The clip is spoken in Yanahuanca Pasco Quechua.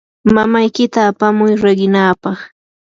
mamaykita apamuy riqinaapaq.